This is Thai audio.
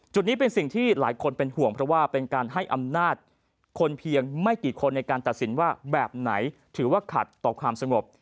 นี้เป็นสิ่งที่หลายคนเป็นห่วงเพราะว่าเป็นการให้อำนาจคนเพียงไม่กี่คนในการตัดสินว่าแบบไหนถือว่าขัดต่อความสงบ